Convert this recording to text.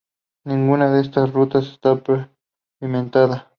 Ninguna de estas rutas está pavimentada.